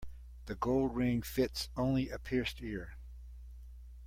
The gold ring fits only a pierced ear.